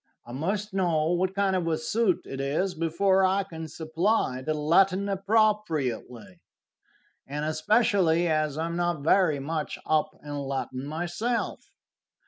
I must know what kind of a suit it is before I can supply the Latin appropriately, and especially as I am not very much up in Latin myself."